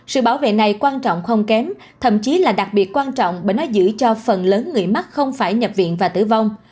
sự bảo vệ này quan trọng không kém thậm chí là đặc biệt quan trọng bởi nó giữ cho phần lớn người mắc không phải nhập viện và tử vong